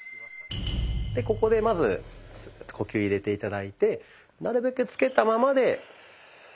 でここでまず呼吸を入れて頂いてなるべくつけたままで。